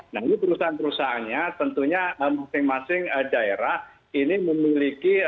nah ini perusahaan perusahaannya tentunya masing masing daerah ini memiliki